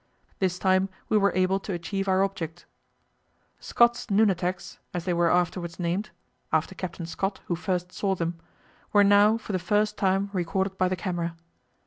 This time we were able to achieve our object. "Scott's Nunataks," as they were afterwards named after Captain Scott, who first saw them were now for the first time recorded by the camera.